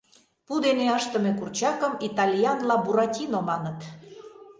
Пу дене ыштыме курчакым итальянла буратино маныт.